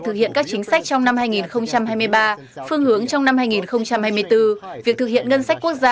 thực hiện các chính sách trong năm hai nghìn hai mươi ba phương hướng trong năm hai nghìn hai mươi bốn việc thực hiện ngân sách quốc gia